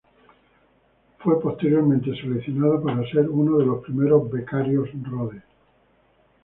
Fue posteriormente seleccionado para ser uno de los primeros Becarios Rhodes.